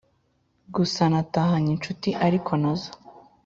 Gusa natahanye inshuti ariko nazo